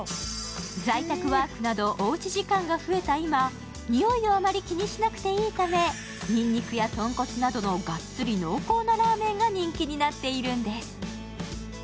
在宅ワークなど、おうち時間が増えた今、においをあまり気にしなくていいため、にんにくや豚骨などのがっつり濃厚なラーメンが人気になっているんです。